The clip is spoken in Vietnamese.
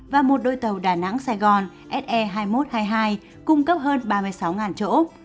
và một đôi tàu đà nẵng sài gòn se hai nghìn một trăm hai mươi hai cung cấp hơn ba mươi sáu chỗ